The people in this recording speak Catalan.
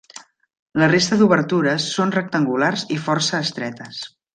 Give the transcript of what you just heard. La resta d'obertures són rectangulars i força estretes.